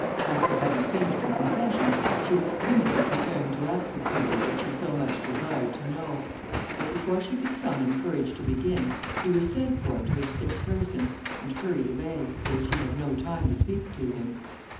After having finished her confession, she was timidly preparing to ask the Curé what she so much desired to know; but before she could summon courage to begin, he was sent for to a sick person, and hurried away, so that she had no time to speak to him.